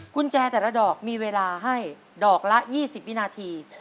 กุญแจแต่ละดอกมีเวลาให้ดอกละ๒๐วินาที